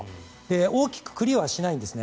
大きくクリアはしないんですね。